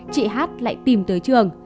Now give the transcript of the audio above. chị h lại tìm tới trường